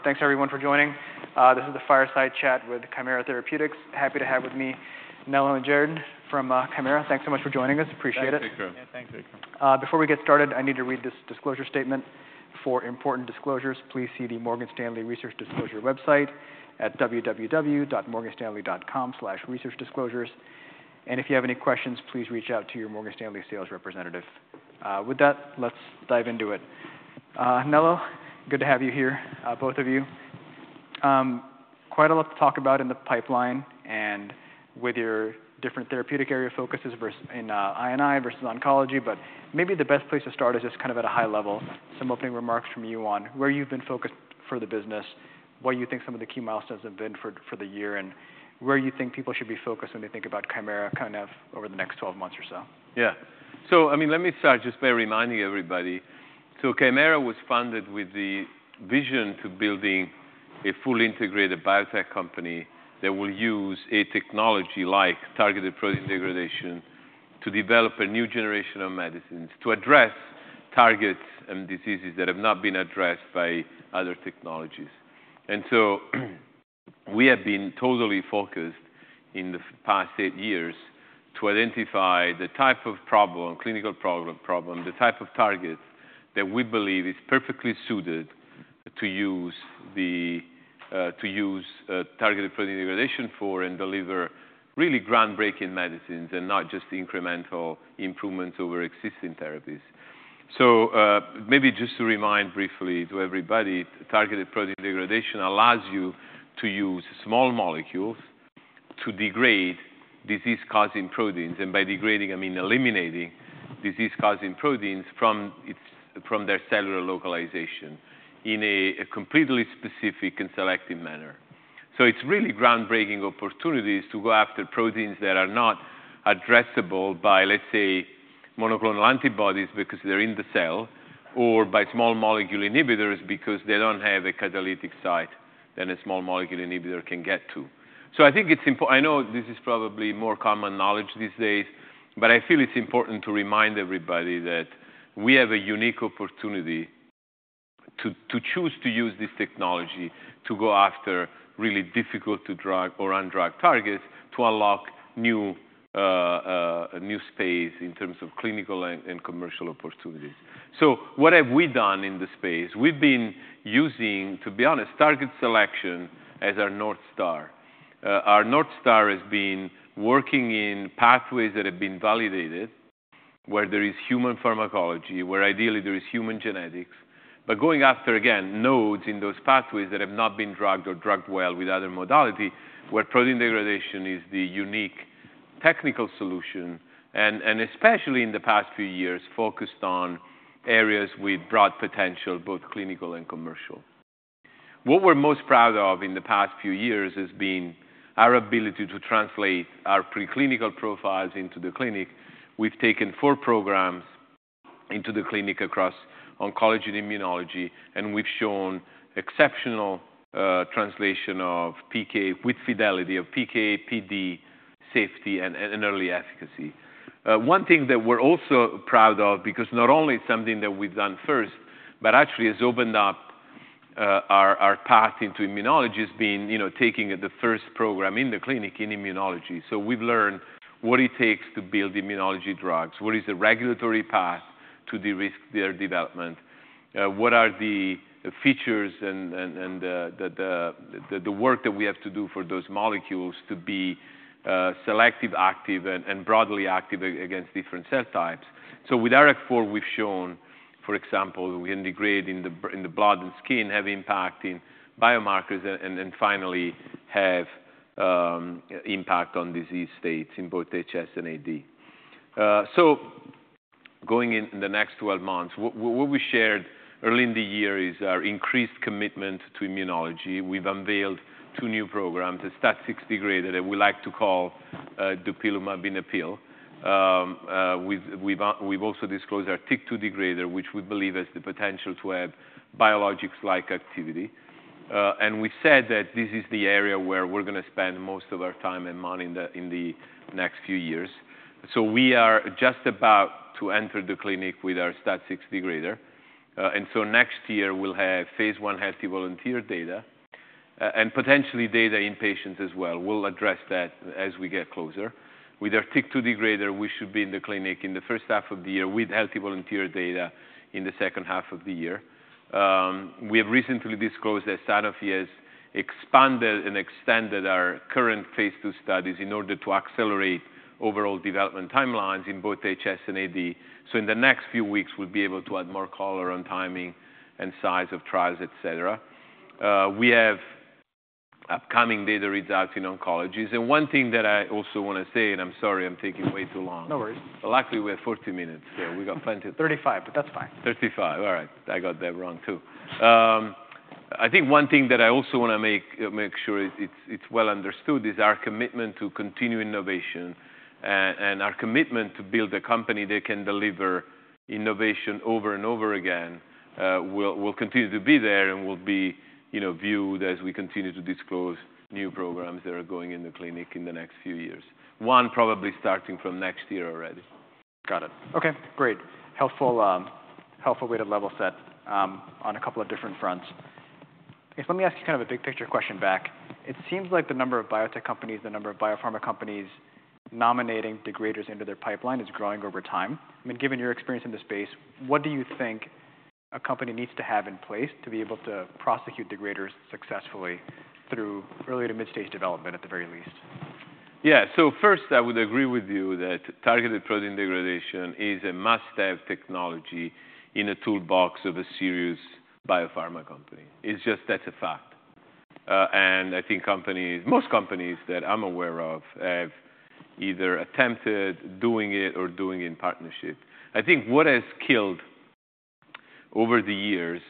Thanks, everyone, for joining. This is the Fireside Chat with Kymera Therapeutics. Happy to have with me Nello and Jared from Kymera. Thanks so much for joining us. Appreciate it. Thanks, Vikram. Yeah, thank you. Before we get started, I need to read this disclosure statement. For important disclosures, please see the Morgan Stanley Research Disclosure website at www.morganstanley.com/researchdisclosures. If you have any questions, please reach out to your Morgan Stanley sales representative. With that, let's dive into it. Nello, good to have you here, both of you. Quite a lot to talk about in the pipeline and with your different therapeutic area focuses versus in I&I versus oncology. Maybe the best place to start is just kind of at a high level, some opening remarks from you on where you've been focused for the business, what you think some of the key milestones have been for the year, and where you think people should be focused when they think about Kymera, kind of over the next twelve months or so. Yeah. So I mean, let me start just by reminding everybody. So Kymera was founded with the vision to building a fully integrated biotech company that will use a technology like targeted protein degradation to develop a new generation of medicines, to address targets and diseases that have not been addressed by other technologies. And so we have been totally focused in the past eight years to identify the type of clinical problem, the type of target that we believe is perfectly suited to use targeted protein degradation for and deliver really groundbreaking medicines and not just incremental improvements over existing therapies. So, maybe just to remind briefly to everybody, targeted protein degradation allows you to use small molecules to degrade disease-causing proteins, and by degrading, I mean eliminating disease-causing proteins from their cellular localization in a completely specific and selective manner. So it's really groundbreaking opportunities to go after proteins that are not addressable by, let's say, monoclonal antibodies, because they're in the cell, or by small molecule inhibitors because they don't have a catalytic site that a small molecule inhibitor can get to. So I think it's important. I know this is probably more common knowledge these days, but I feel it's important to remind everybody that we have a unique opportunity to choose to use this technology to go after really difficult-to-drug or undrugged targets to unlock new, a new space in terms of clinical and commercial opportunities. So what have we done in this space? We've been using, to be honest, target selection as our North Star. Our North Star has been working in pathways that have been validated, where there is human pharmacology, where ideally there is human genetics, but going after, again, nodes in those pathways that have not been drugged or drugged well with other modality, where protein degradation is the unique technical solution, and especially in the past few years, focused on areas with broad potential, both clinical and commercial. What we're most proud of in the past few years has been our ability to translate our preclinical profiles into the clinic. We've taken four programs into the clinic across oncology and immunology, and we've shown exceptional translation of PK with fidelity, of PK, PD, safety, and early efficacy. One thing that we're also proud of, because not only it's something that we've done first, but actually has opened up our path into immunology, has been, you know, taking the first program in the clinic in immunology. So we've learned what it takes to build immunology drugs, what is the regulatory path to de-risk their development, what are the features and the work that we have to do for those molecules to be selective active and broadly active against different cell types. So with IRAK4, we've shown, for example, we integrate in the blood and skin, have impact in biomarkers, and then and finally have impact on disease states in both HS and AD. So going in the next twelve months, what we shared early in the year is our increased commitment to immunology. We've unveiled two new programs, a STAT6 degrader that we like to call dupilumab-in-a-pill. We've also disclosed our TYK2 degrader, which we believe has the potential to have biologics-like activity. And we said that this is the area where we're going to spend most of our time and money in the next few years. We are just about to enter the clinic with our STAT6 degrader. And so next year, we'll have phase I healthy volunteer data, and potentially data in patients as well. We'll address that as we get closer. With our TYK2 degrader, we should be in the clinic in the first half of the year, with healthy volunteer data in the second half of the year. We have recently disclosed that Sanofi has expanded and extended our current phase II studies in order to accelerate overall development timelines in both HS and AD. So in the next few weeks, we'll be able to add more color on timing and size of trials, et cetera. We have upcoming data readouts in oncologies. And one thing that I also want to say, and I'm sorry, I'm taking way too long- No worries. Luckily, we have 40 minutes, so we got plenty. Thirty-five, but that's fine. Thirty-five. All right, I got that wrong, too. I think one thing that I also want to make sure it's well understood is our commitment to continue innovation and our commitment to build a company that can deliver innovation over and over again. This will continue to be there and will be, you know, viewed as we continue to disclose new programs that are going in the clinic in the next few years. One probably starting from next year already. Got it. Okay, great. Helpful way to level set on a couple of different fronts. Let me ask you kind of a big picture question back. It seems like the number of biotech companies, the number of biopharma companies nominating degraders into their pipeline is growing over time. I mean, given your experience in this space, what do you think a company needs to have in place to be able to prosecute degraders successfully through early to mid-stage development, at the very least? Yeah, so first, I would agree with you that targeted protein degradation is a must-have technology in a toolbox of a serious biopharma company. It's just that's a fact. And I think companies, most companies that I'm aware of have either attempted doing it or doing in partnership. I think what has killed, over the years,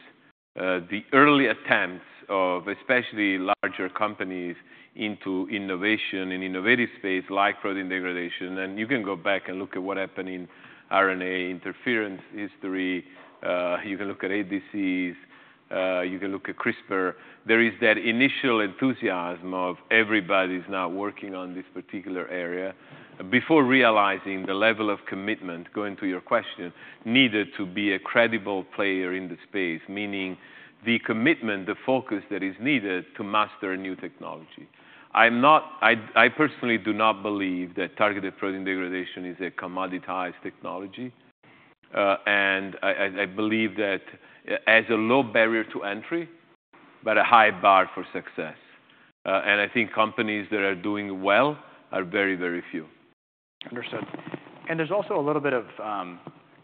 the early attempts of especially larger companies into innovation and innovative space like protein degradation, and you can go back and look at what happened in RNA interference history, you can look at ADCs, you can look at CRISPR. There is that initial enthusiasm of everybody's now working on this particular area before realizing the level of commitment, going to your question, needed to be a credible player in the space, meaning the commitment, the focus that is needed to master a new technology. I'm not. I personally do not believe that targeted protein degradation is a commoditized technology, and I believe that it has a low barrier to entry, but a high bar for success, and I think companies that are doing well are very, very few. Understood. And there's also a little bit of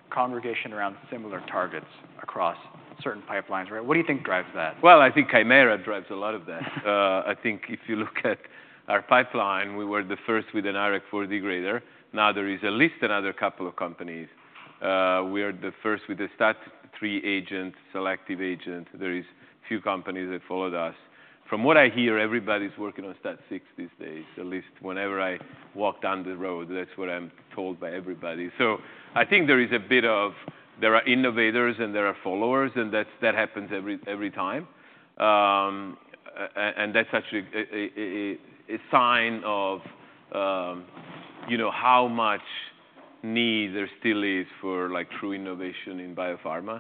concentration around similar targets across certain pipelines, right? What do you think drives that? I think Kymera drives a lot of that. I think if you look at our pipeline, we were the first with an IRAK4 degrader. Now, there is at least another couple of companies. We are the first with the STAT3 agent, selective agent. There is a few companies that followed us. From what I hear, everybody's working on STAT6 these days. At least whenever I walk down the road, that's what I'm told by everybody. So I think there are innovators and there are followers, and that happens every time. And that's actually a sign of you know how much need there still is for like true innovation in biopharma.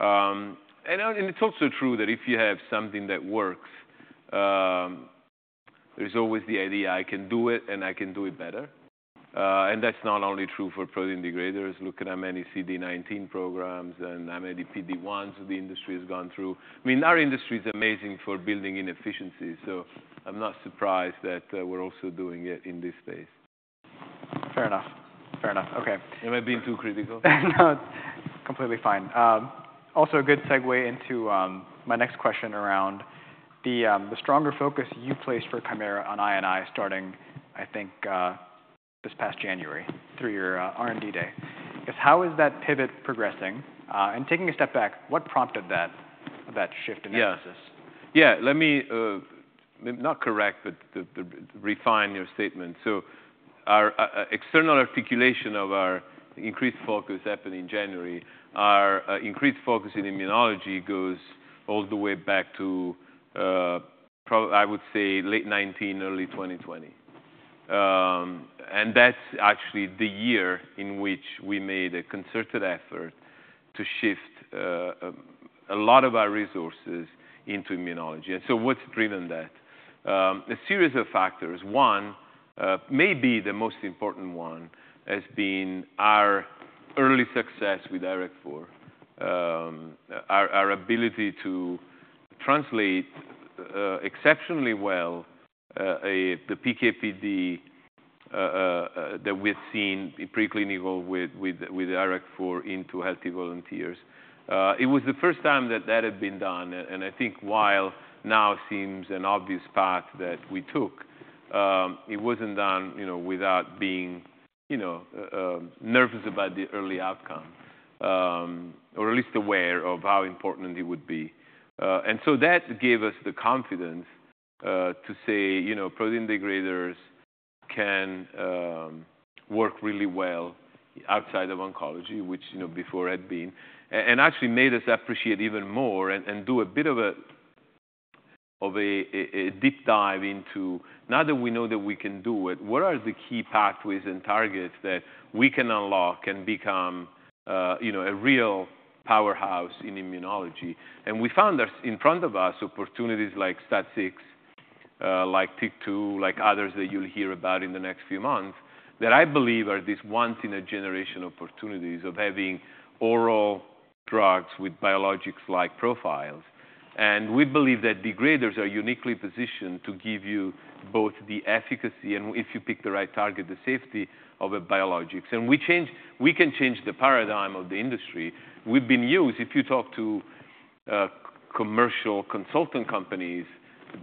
And it's also true that if you have something that works, there's always the idea I can do it, and I can do it better. And that's not only true for protein degraders. Look at how many CD19 programs and how many PD-1s the industry has gone through. I mean, our industry is amazing for building inefficiencies, so I'm not surprised that we're also doing it in this space. Fair enough. Fair enough. Okay. Am I being too critical? No, completely fine. Also a good segue into my next question around the stronger focus you placed for Kymera on I&I, starting, I think, this past January through your R&D Day. How is that pivot progressing? And taking a step back, what prompted that shift in emphasis? Yeah. Yeah, let me not correct, but, but refine your statement. So our external articulation of our increased focus happened in January. Our increased focus in immunology goes all the way back to, I would say, late 2019, early 2020. And that's actually the year in which we made a concerted effort to shift a lot of our resources into immunology. And so what's driven that? A series of factors. One may be the most important one, has been our early success with IRAK4. Our ability to translate exceptionally well the PK/PD that we've seen in preclinical with IRAK4 into healthy volunteers. It was the first time that that had been done, and I think while now seems an obvious path that we took, it wasn't done, you know, without being, you know, nervous about the early outcome, or at least aware of how important it would be. And so that gave us the confidence to say, you know, protein degraders can work really well outside of oncology, which, you know, before had been, and actually made us appreciate even more and do a bit of a deep dive into, now that we know that we can do it, what are the key pathways and targets that we can unlock and become, you know, a real powerhouse in immunology. We found that in front of us, opportunities like STAT6, like TYK2, like others that you'll hear about in the next few months, that I believe are these once-in-a-generation opportunities of having oral drugs with biologics-like profiles. We believe that degraders are uniquely positioned to give you both the efficacy, and if you pick the right target, the safety of a biologics. We can change the paradigm of the industry. If you talk to commercial consultant companies,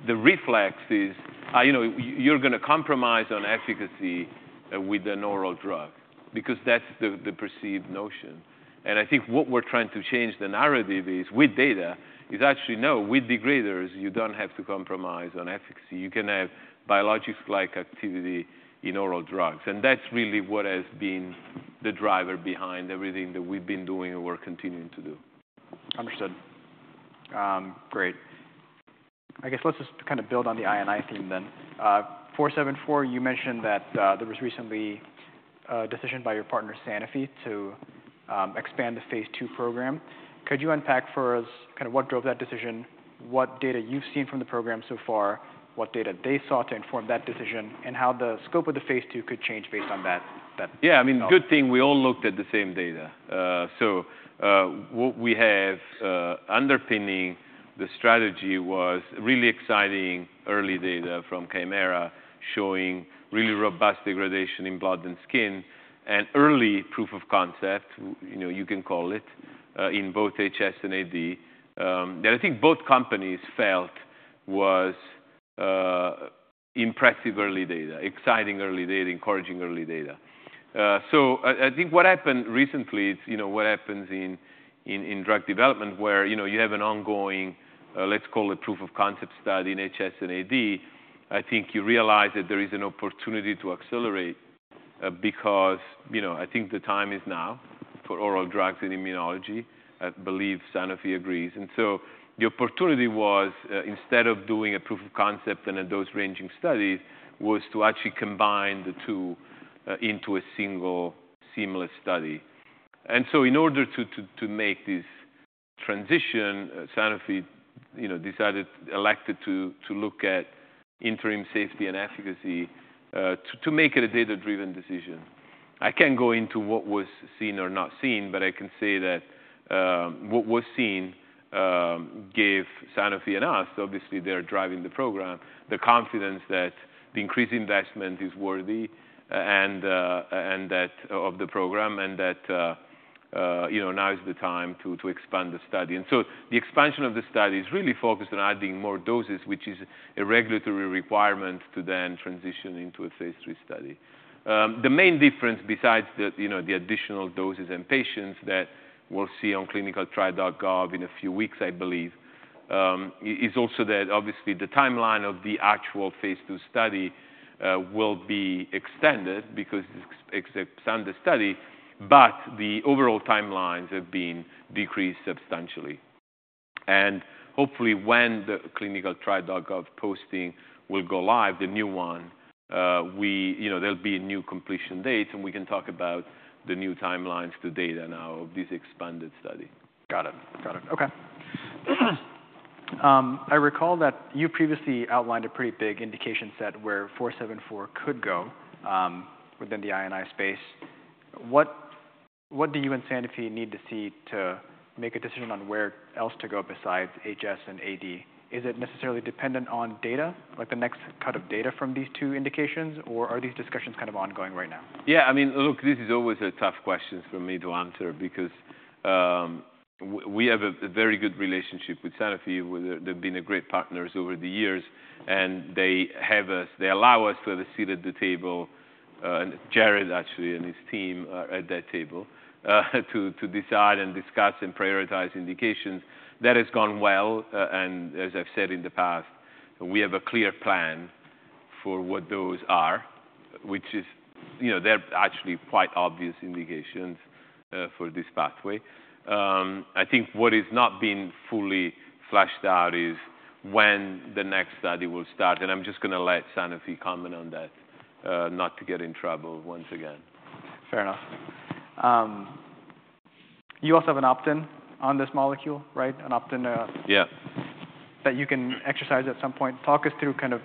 the reflex is, you know, you're going to compromise on efficacy with an oral drug because that's the perceived notion. I think what we're trying to change the narrative is, with data, is actually, no, with degraders, you don't have to compromise on efficacy. You can have biologics like activity in oral drugs, and that's really what has been the driver behind everything that we've been doing and we're continuing to do. Understood. Great. I guess let's just kind of build on the INI theme then. 474, you mentioned that there was recently a decision by your partner, Sanofi, to expand the phase II program. Could you unpack for us kind of what drove that decision, what data you've seen from the program so far, what data they saw to inform that decision, and how the scope of the phase II could change based on that? Yeah, I mean, good thing we all looked at the same data. So, what we have underpinning the strategy was really exciting early data from Kymera, showing really robust degradation in blood and skin, and early proof of concept, you know, you can call it, in both HS and AD. That I think both companies felt was impressive early data, exciting early data, encouraging early data. So I think what happened recently, it's you know what happens in drug development where you know you have an ongoing, let's call it, proof of concept study in HS and AD. I think you realize that there is an opportunity to accelerate, because you know I think the time is now for oral drugs and immunology. I believe Sanofi agrees. The opportunity was instead of doing a proof of concept and a dose-ranging study to actually combine the two into a single seamless study. In order to make this transition, Sanofi you know elected to look at interim safety and efficacy to make it a data-driven decision. I can't go into what was seen or not seen, but I can say that what was seen gave Sanofi and us, obviously, they're driving the program, the confidence that the increased investment is worthy and that of the program, and that you know now is the time to expand the study. The expansion of the study is really focused on adding more doses, which is a regulatory requirement to then transition into a phase III study. The main difference besides the, you know, the additional doses and patients that we'll see on ClinicalTrials.gov in a few weeks, I believe, is also that obviously the timeline of the actual phase II study will be extended because it's extended the study, but the overall timelines have been decreased substantially, and hopefully, when the ClinicalTrials.gov posting will go live, the new one, we, you know, there'll be new completion dates, and we can talk about the new timelines to data now of this expanded study. Got it. Got it. Okay. I recall that you previously outlined a pretty big indication set where 474 could go, within the I&I space. What, what do you and Sanofi need to see to make a decision on where else to go besides HS and AD? Is it necessarily dependent on data, like the next cut of data from these two indications, or are these discussions kind of ongoing right now? Yeah, I mean, look, this is always a tough question for me to answer because we have a very good relationship with Sanofi, where they've been great partners over the years, and they allow us to have a seat at the table, and Jared, actually, and his team are at that table, to decide and discuss and prioritize indications. That has gone well, and as I've said in the past, we have a clear plan for what those are, which is, you know, they're actually quite obvious indications, for this pathway. I think what is not being fully fleshed out is when the next study will start, and I'm just gonna let Sanofi comment on that, not to get in trouble once again. Fair enough. You also have an opt-in on this molecule, right? Yeah. That you can exercise at some point. Talk us through kind of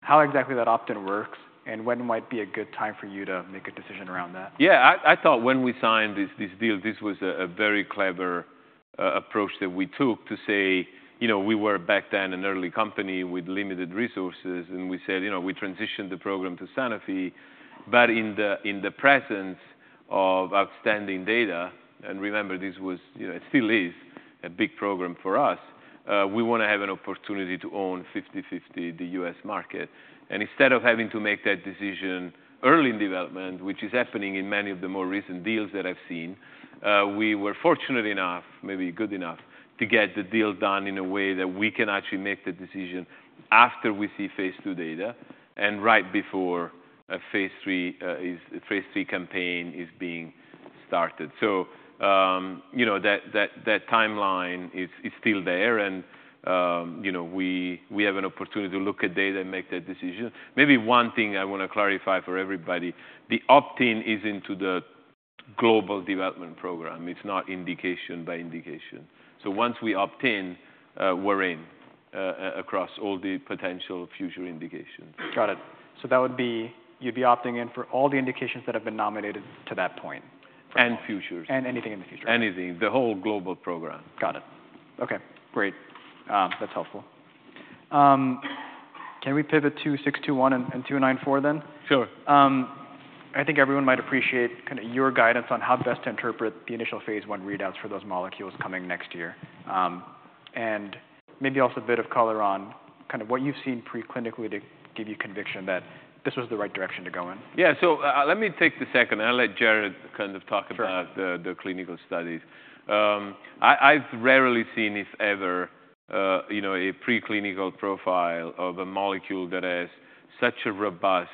how exactly that opt-in works and when might be a good time for you to make a decision around that? Yeah, I thought when we signed this deal, this was a very clever approach that we took to say. You know, we were back then an early company with limited resources, and we said, you know, we transitioned the program to Sanofi, but in the presence of outstanding data, and remember, this was, you know, it still is a big program for us. We wanna have an opportunity to own 50/50 the U.S. market. And instead of having to make that decision early in development, which is happening in many of the more recent deals that I've seen, we were fortunate enough, maybe good enough, to get the deal done in a way that we can actually make the decision after we see phase II data and right before a phase III campaign is being started. So, you know, that timeline is still there, and, you know, we have an opportunity to look at data and make that decision. Maybe one thing I wanna clarify for everybody, the opt-in is into the global development program. It's not indication by indication. So once we opt in, we're in across all the potential future indications. Got it. So that would be... You'd be opting in for all the indications that have been nominated to that point? And futures. And anything in the future. Anything, the whole global program. Got it. Okay, great. That's helpful. Can we pivot to 621 and 294 then? Sure. I think everyone might appreciate kind of your guidance on how best to interpret the initial phase I readouts for those molecules coming next year, and maybe also a bit of color on kind of what you've seen preclinically to give you conviction that this was the right direction to go in. Yeah. So, let me take the second, and I'll let Jared kind of talk about the clinical studies. I've rarely seen, if ever, you know, a preclinical profile of a molecule that has such a robust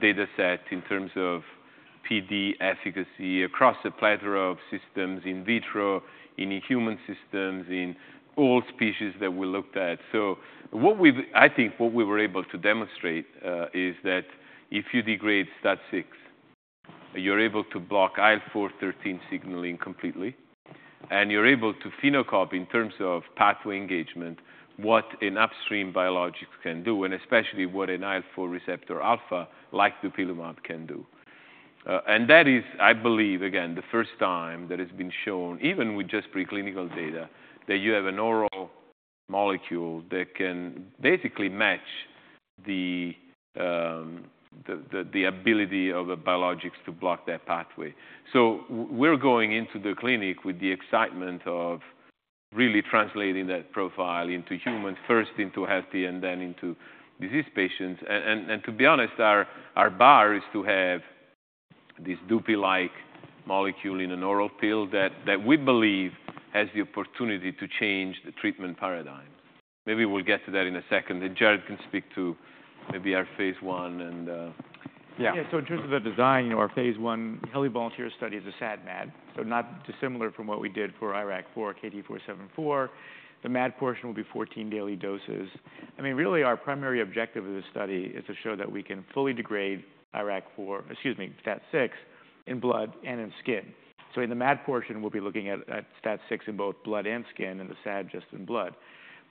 data set in terms of PD efficacy across a plethora of systems, in vitro, in human systems, in all species that we looked at. So I think what we were able to demonstrate is that if you degrade STAT6, you're able to block IL-4 and IL-13 signaling completely, and you're able to phenocopy, in terms of pathway engagement, what an upstream biologic can do, and especially what an IL-4 receptor alpha, like Dupilumab, can do. And that is, I believe, again, the first time that it's been shown, even with just preclinical data, that you have an oral molecule that can basically match the ability of a biologics to block that pathway. We're going into the clinic with the excitement of really translating that profile into humans first, into healthy, and then into disease patients. And to be honest, our bar is to have this Dupixent molecule in an oral pill that we believe has the opportunity to change the treatment paradigm. Maybe we'll get to that in a second, then Jared can speak to maybe our phase I. Yeah, so in terms of the design, you know, our phase I healthy volunteer study is a SAD/MAD, so not dissimilar from what we did for IRAK4, KT-474. The MAD portion will be 14 daily doses. I mean, really, our primary objective of this study is to show that we can fully degrade IRAK4, excuse me, STAT6, in blood and in skin. So in the MAD portion, we'll be looking at STAT6 in both blood and skin, and the SAD just in blood.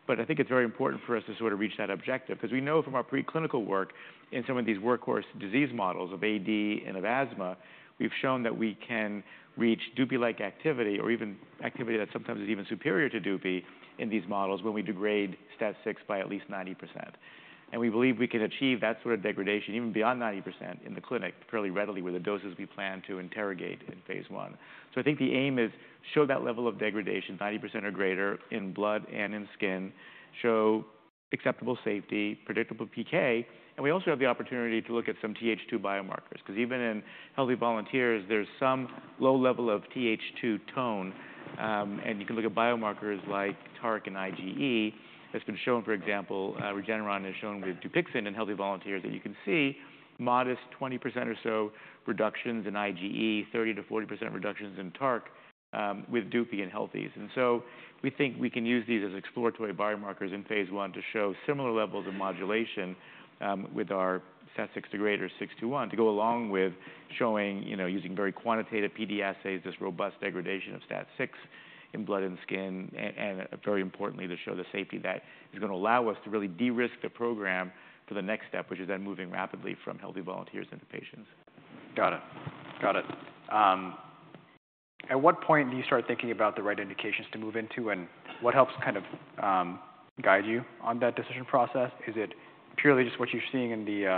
But I think it's very important for us to sort of reach that objective, 'cause we know from our preclinical work in some of these workhorse disease models of AD and of asthma, we've shown that we can reach Dupixent-like activity or even activity that sometimes is even superior to Dupixent in these models when we degrade STAT6 by at least 90%. And we believe we can achieve that sort of degradation, even beyond 90%, in the clinic fairly readily with the doses we plan to interrogate in phase I. So I think the aim is to show that level of degradation, 90% or greater, in blood and in skin, show acceptable safety, predictable PK, and we also have the opportunity to look at some Th2 biomarkers. 'Cause even in healthy volunteers, there's some low level of Th2 tone, and you can look at biomarkers like TARC and IgE. It's been shown, for example, Regeneron has shown with Dupixent in healthy volunteers, that you can see modest 20% or so reductions in IgE, 30%-40% reductions in TARC, with Dupixent in healthies. And so we think we can use these as exploratory biomarkers in phase I to show similar levels of modulation, with our STAT six degrader, 621, to go along with showing, you know, using very quantitative PD assays, this robust degradation of STAT6 in blood and skin, and very importantly, to show the safety that is gonna allow us to really de-risk the program for the next step, which is then moving rapidly from healthy volunteers into patients. Got it. Got it. At what point do you start thinking about the right indications to move into, and what helps kind of guide you on that decision process? Is it purely just what you're seeing in the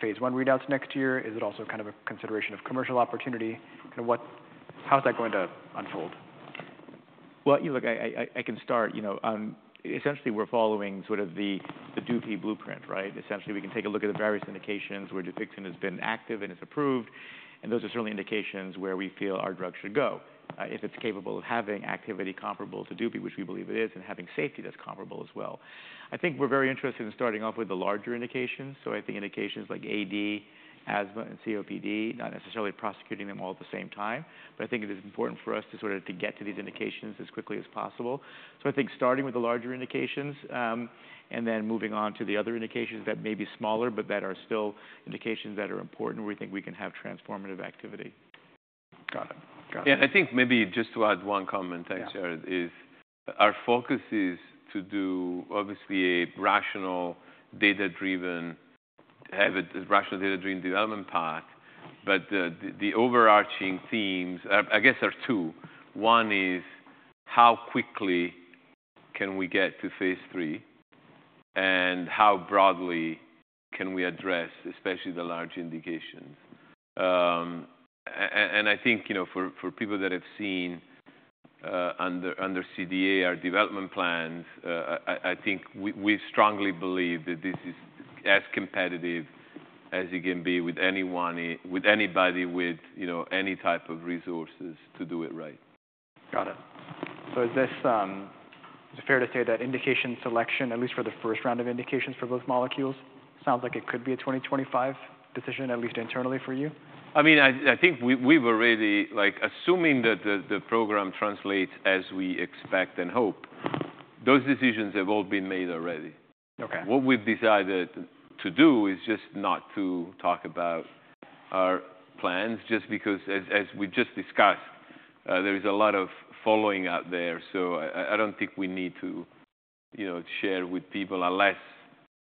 phase I readouts next year? Is it also kind of a consideration of commercial opportunity? Kind of what. How is that going to unfold? You know, look, I can start. You know, essentially, we're following sort of the Dupixent blueprint, right? Essentially, we can take a look at the various indications where Dupixent has been active and is approved, and those are certainly indications where we feel our drug should go, if it's capable of having activity comparable to Dupixent, which we believe it is, and having safety that's comparable as well. I think we're very interested in starting off with the larger indications, so I think indications like AD, asthma, and COPD, not necessarily prosecuting them all at the same time. But I think it is important for us to sort of get to these indications as quickly as possible. So I think starting with the larger indications, and then moving on to the other indications that may be smaller, but that are still indications that are important, where we think we can have transformative activity. Got it. Got it. Yeah, I think maybe just to add one comment. Thanks, Jared, our focus is to do, obviously, a rational, data-driven development path, but the overarching themes, I guess, there are two. One is, how quickly can we get to phase III, and how broadly can we address, especially the large indications? And I think, you know, for people that have seen under CDA, our development plans, I think we strongly believe that this is as competitive as you can be with anyone, with anybody, with, you know, any type of resources to do it right. Got it. Is it fair to say that indication selection, at least for the first round of indications for both molecules, sounds like it could be a 2025 decision, at least internally, for you? I mean, I think we've already... Like, assuming that the program translates as we expect and hope, those decisions have all been made already. Okay. What we've decided to do is just not to talk about our plans, just because as we just discussed, there is a lot of following out there. So I don't think we need to, you know, share with people, unless,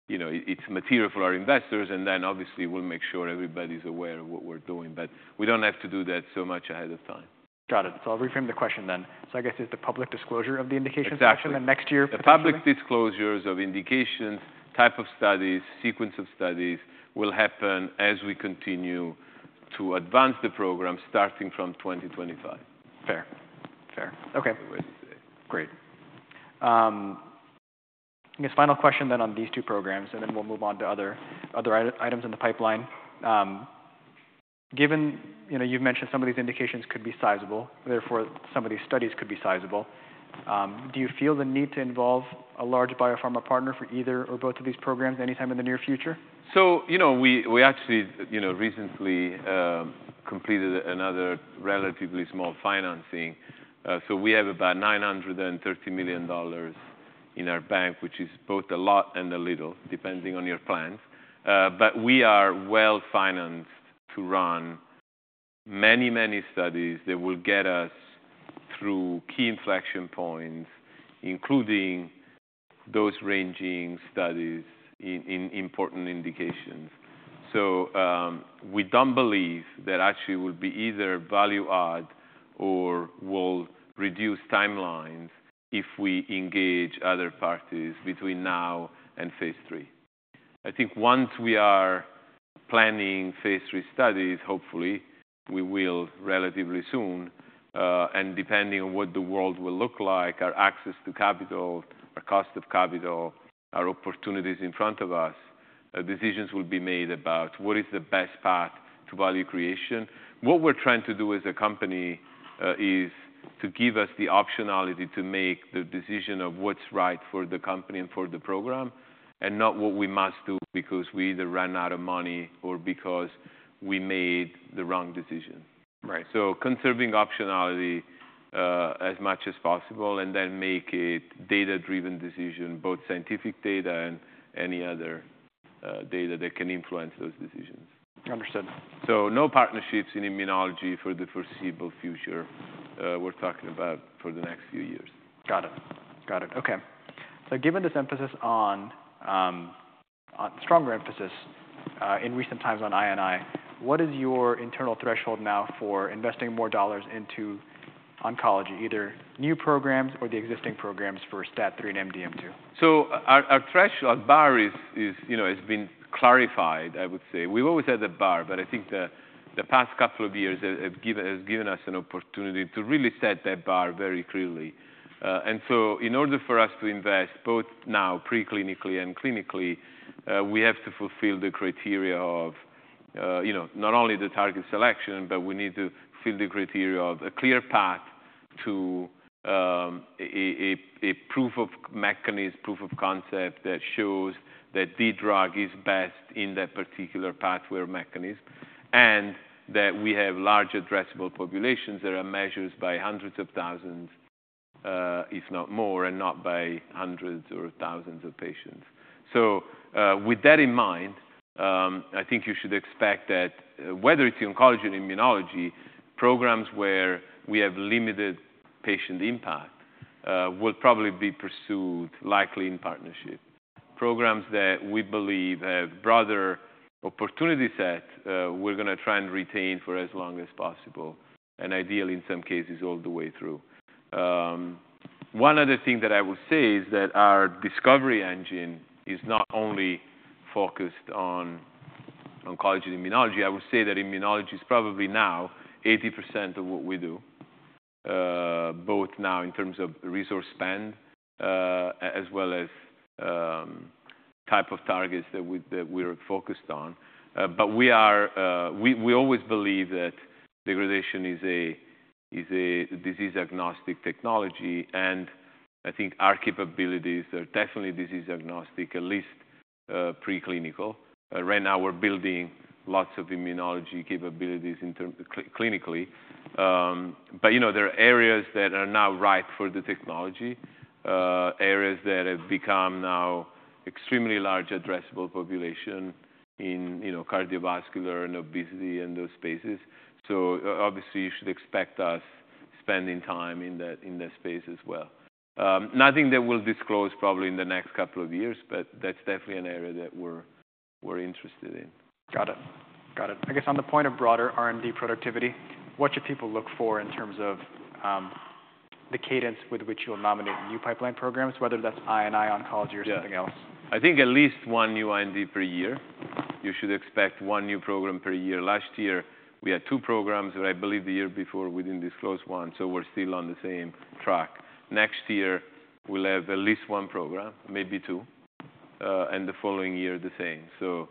you know, it, it's material for our investors, and then obviously, we'll make sure everybody's aware of what we're doing. But we don't have to do that so much ahead of time. Got it. So I'll reframe the question then. So I guess, it's the public disclosure of the indications in the next year? The public disclosures of indications, type of studies, sequence of studies, will happen as we continue to advance the program, starting from 2025. Fair. Fair. Okay, great. I guess final question then on these two programs, and then we'll move on to other items in the pipeline. Given, you know, you've mentioned some of these indications could be sizable, therefore, some of these studies could be sizable, do you feel the need to involve a large biopharma partner for either or both of these programs anytime in the near future? So, you know, we actually, you know, recently completed another relatively small financing. So we have about $930 million in our bank, which is both a lot and a little, depending on your plans. But we are well-financed to run many, many studies that will get us through key inflection points, including those ranging studies in important indications. So, we don't believe that actually it would be either value add or will reduce timelines if we engage other parties between now and phase III. I think once we are planning phase III studies, hopefully, we will relatively soon, and depending on what the world will look like, our access to capital, our cost of capital, our opportunities in front of us, decisions will be made about what is the best path to value creation. What we're trying to do as a company is to give us the optionality to make the decision of what's right for the company and for the program, and not what we must do because we either ran out of money or because we made the wrong decision. Right. Conserving optionality as much as possible, and then make a data-driven decision, both scientific data and any other data that can influence those decisions. Understood. So no partnerships in immunology for the foreseeable future, we're talking about for the next few years. Got it. Okay. So given this stronger emphasis in recent times on I&I, what is your internal threshold now for investing more dollars into oncology, either new programs or the existing programs for STAT-3 and MDM-2? So our threshold bar is, you know, has been clarified, I would say. We've always had a bar, but I think the past couple of years have given us an opportunity to really set that bar very clearly. And so in order for us to invest, both now pre-clinically and clinically, we have to fulfill the criteria of, you know, not only the target selection, but we need to fill the criteria of a clear path to a proof of mechanism, proof of concept that shows that the drug is best in that particular pathway or mechanism, and that we have large addressable populations that are measured by hundreds of thousands, if not more, and not by hundreds or thousands of patients. With that in mind, I think you should expect that whether it's in oncology and immunology, programs where we have limited patient impact will probably be pursued, likely in partnership. Programs that we believe have broader opportunity set, we're gonna try and retain for as long as possible, and ideally, in some cases, all the way through. One other thing that I would say is that our discovery engine is not only focused on oncology and immunology. I would say that immunology is probably now 80% of what we do, both now in terms of resource spend, as well as type of targets that we're focused on. But we always believe that degradation is a disease-agnostic technology, and I think our capabilities are definitely disease agnostic, at least preclinical. Right now, we're building lots of immunology capabilities in terms clinically. But, you know, there are areas that are now ripe for the technology, areas that have become now extremely large addressable population in, you know, cardiovascular and obesity and those spaces. So obviously, you should expect us spending time in that, in that space as well. Nothing that we'll disclose probably in the next couple of years, but that's definitely an area that we're interested in. Got it. Got it. I guess on the point of broader R&D productivity, what should people look for in terms of, the cadence with which you'll nominate new pipeline programs, whether that's I&I, oncology or something else? Yeah. I think at least one new IND per year. You should expect one new program per year. Last year, we had two programs, and I believe the year before, we didn't disclose one, so we're still on the same track. Next year, we'll have at least one program, maybe two, and the following year, the same. So,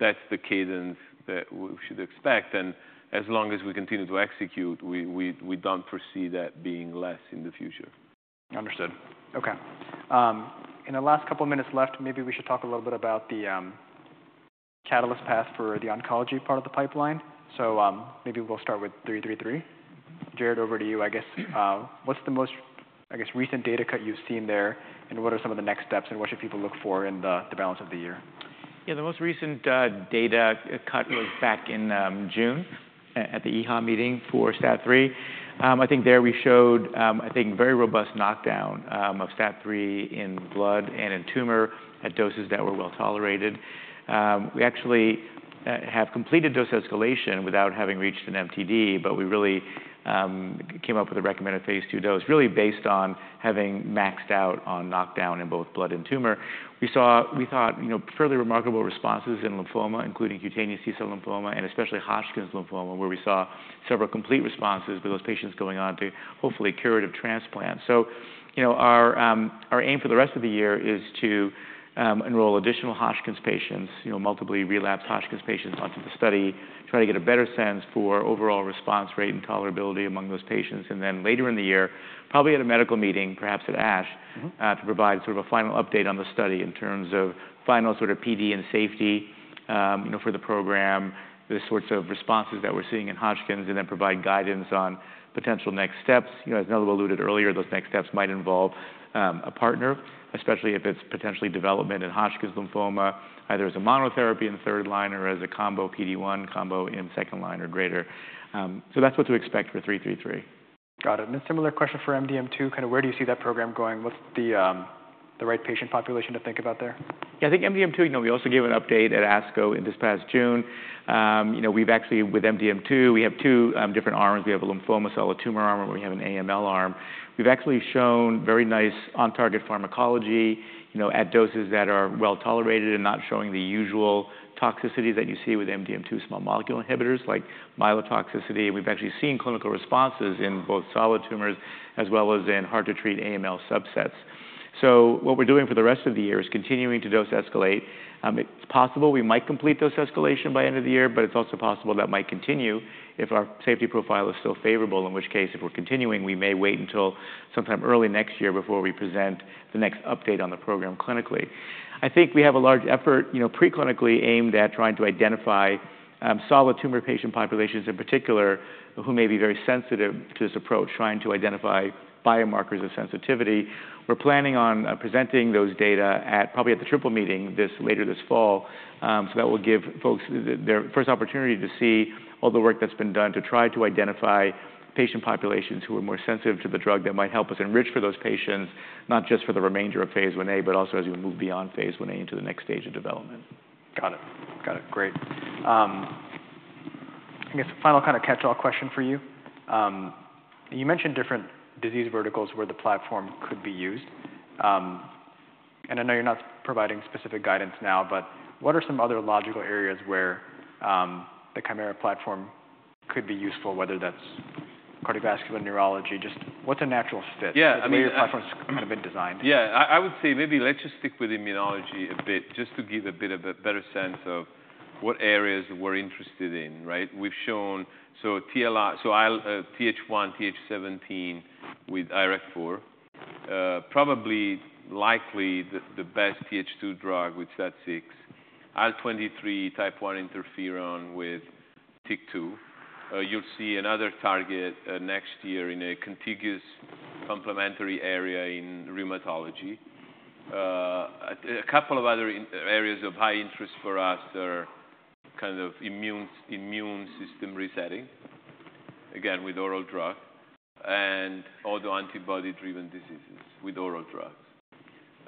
that's the cadence that we should expect, and as long as we continue to execute, we don't foresee that being less in the future. Understood. Okay. In the last couple of minutes left, maybe we should talk a little bit about the catalyst path for the oncology part of the pipeline. So, maybe we'll start with 333. Jared, over to you. I guess, what's the most, I guess, recent data cut you've seen there, and what are some of the next steps, and what should people look for in the balance of the year? Yeah, the most recent data cut was back in June at the EHA meeting for STAT3. I think there we showed, I think, very robust knockdown of STAT3 in blood and in tumor at doses that were well tolerated. We actually have completed dose escalation without having reached an MTD, but we really came up with a recommended phase II dose, really based on having maxed out on knockdown in both blood and tumor. We saw, we thought, you know, fairly remarkable responses in lymphoma, including cutaneous T-cell lymphoma, and especially Hodgkin's lymphoma, where we saw several complete responses with those patients going on to hopefully curative transplant. So, you know, our aim for the rest of the year is to enroll additional Hodgkin's patients, you know, multiply relapsed Hodgkin's patients onto the study, try to get a better sense for overall response rate and tolerability among those patients. And then later in the year, probably at a medical meeting, perhaps at ASH to provide sort of a final update on the study in terms of final sort of PD and safety, you know, for the program, the sorts of responses that we're seeing in Hodgkin's, and then provide guidance on potential next steps. You know, as Nello alluded earlier, those next steps might involve, a partner, especially if it's potentially development in Hodgkin's lymphoma, either as a monotherapy in the third line or as a combo PD-1 combo in second line or greater. So that's what to expect for 333. Got it. And a similar question for MDM2. Kind of where do you see that program going? What's the right patient population to think about there? Yeah, I think MDM-2, you know, we also gave an update at ASCO in this past June. You know, we've actually, with MDM-2, we have two different arms. We have a lymphoma, solid tumor arm, and we have an AML arm. We've actually shown very nice on-target pharmacology, you know, at doses that are well-tolerated and not showing the usual toxicity that you see with MDM-2 small molecule inhibitors, like myelotoxicity. We've actually seen clinical responses in both solid tumors as well as in hard-to-treat AML subsets. So what we're doing for the rest of the year is continuing to dose escalate. It's possible we might complete dose escalation by end of the year, but it's also possible that might continue if our safety profile is still favorable, in which case, if we're continuing, we may wait until sometime early next year before we present the next update on the program clinically. I think we have a large effort, you know, pre-clinically aimed at trying to identify solid tumor patient populations, in particular, who may be very sensitive to this approach, trying to identify biomarkers of sensitivity. We're planning on presenting those data at probably at the Triple Meeting later this fall, so that will give folks their first opportunity to see all the work that's been done to try to identify patient populations who are more sensitive to the drug. That might help us enrich for those patients, not just for the remainder of phase I-A, but also as we move beyond phase I-A into the next stage of development. Got it. Got it, great. I guess a final kind of catch-all question for you. You mentioned different disease verticals where the platform could be used, and I know you're not providing specific guidance now, but what are some other logical areas where the Kymera platform could be useful, whether that's cardiovascular, neurology? Just what's a natural fit the way your platform's kind of been designed. Yeah. I would say maybe let's just stick with immunology a bit, just to give a bit of a better sense of what areas we're interested in, right? We've shown. So Th1, Th17 with IRAK4, probably likely the best Th2 drug with STAT6, IL-23, type I interferon with TYK2. You'll see another target next year in a contiguous complementary area in rheumatology. A couple of other areas of high interest for us are kind of immune system resetting, again, with oral drug and autoantibody-driven diseases with oral drugs.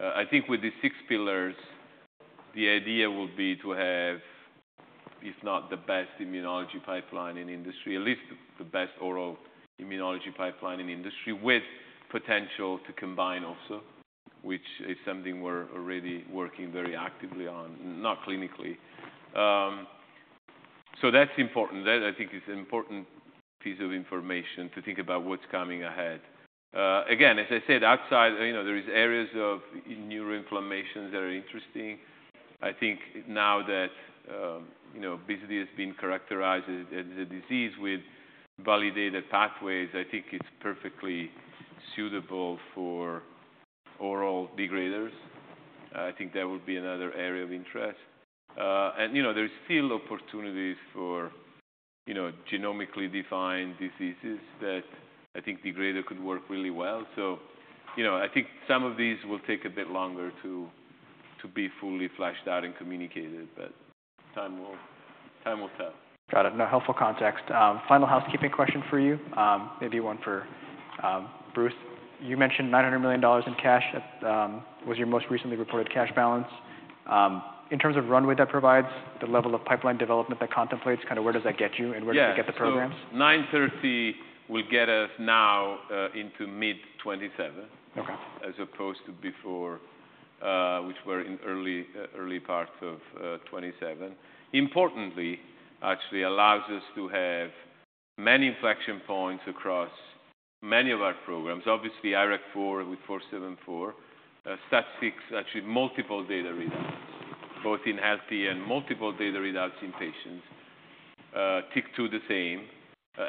I think with these six pillars, the idea will be to have, if not the best immunology pipeline in industry, at least the best oral immunology pipeline in industry, with potential to combine also, which is something we're already working very actively on, not clinically. So that's important. That I think is an important piece of information to think about what's coming ahead. Again, as I said, outside, you know, there is areas of neuroinflammations that are interesting. I think now that, you know, obesity has been characterized as a disease with validated pathways, I think it's perfectly suitable for oral degraders. I think that would be another area of interest. And, you know, there's still opportunities for, you know, genomically defined diseases that I think degrader could work really well. So, you know, I think some of these will take a bit longer to be fully fleshed out and communicated, but time will tell. Got it. No, helpful context. Final housekeeping question for you, maybe one for Bruce. You mentioned $900 million in cash at was your most recently reported cash balance. In terms of runway that provides, the level of pipeline development that contemplates, kind of where does that get you and where does it get the programs? So 9:30 will get us now into mid-2027 as opposed to before, which we're in early part of 2027. Importantly, actually allows us to have many inflection points across many of our programs. Obviously, IRAK4 with 474, actually multiple data readouts, both in healthy and multiple data readouts in patients. TYK2, the same,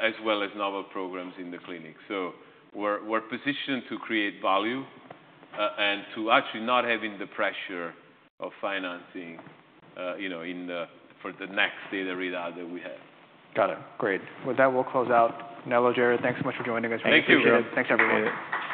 as well as novel programs in the clinic. So we're positioned to create value, and to actually not having the pressure of financing, you know, for the next data readout that we have. Got it. Great. With that, we'll close out. Nello, Jared, thanks so much for joining us. Thank you. We appreciate it. Thanks, everyone.